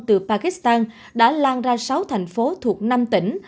từ pakistan đã lan ra sáu thành phố thuộc năm tỉnh